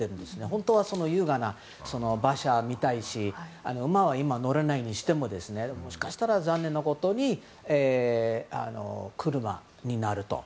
本当は優雅な馬車を見たいし馬は今乗れないにしてももしかしたら残念なことに車になると。